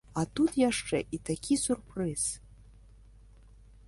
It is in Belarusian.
А тут яшчэ і такі сюрпрыз!